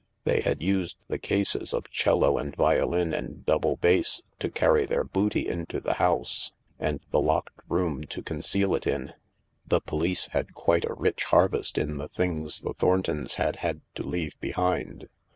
They had used the cases of 'cello and violin and double bass to carry their booty into the house, and the locked room to conceal it in. The police had quite a rich harvest in the things the Thorntons had had to leave behind.